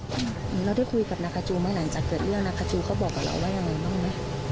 เราได้คุยกับนาคาจูไหมหลังจากเกิดเรื่องนาคาจูเขาบอกกับเราว่ายังไงบ้างไหม